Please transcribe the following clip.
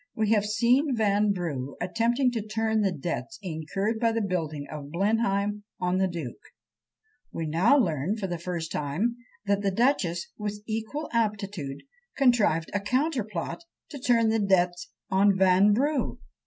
We have seen Vanbrugh attempting to turn the debts incurred by the building of Blenheim on the duke; we now learn, for the first time, that the duchess, with equal aptitude, contrived a counterplot to turn the debts on Vanbrugh!